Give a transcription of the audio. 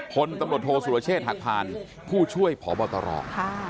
คนตำรวจโทษศุรเชษหักผ่านผู้ช่วยผอบตรอก